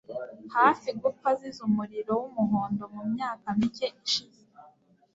hafi gupfa azize umuriro wumuhondo mumyaka mike ishize.